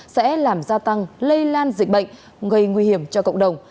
sẽ làm gia tăng lây lan dịch bệnh gây nguy hiểm cho cộng đồng